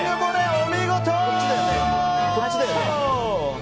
お見事！